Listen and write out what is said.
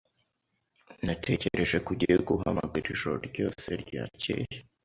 Natekereje ko ugiye guhamagara ijoro ryakeye.